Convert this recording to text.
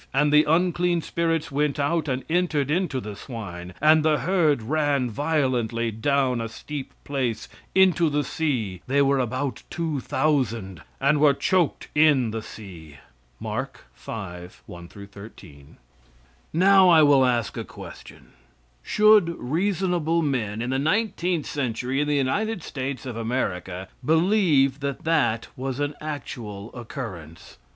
And the unclean spirits went out, and entered into the swine; and the herd ran violently down a steep place into the sea (they were about two thousand), and were choked in the sea." (Mark v, 1 13.) Now I will ask a question: Should reasonable men, in the nineteenth century in the United States of America, believe that that was an actual occurrence?